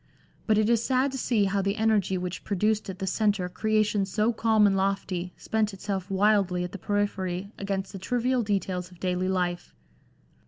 But it is sad to see how the energy which produced at the centre creations so calm and lofty spent itself wildly at the periphery against the trivial details of daily life.